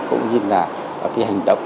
cũng như là hành động